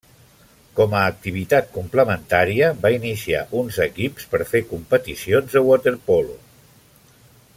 Com a activitat complementària va iniciar uns equips per fer competicions de waterpolo.